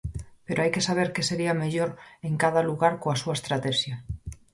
Pero hai que saber que sería o mellor en cada lugar coa súa estratexia.